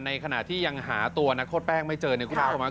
ในขณะที่ยังหาตัวนักธนทรแป้งไม่เจอในคุณบ้าน